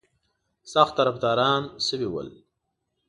سخت طرفداران شوي ول.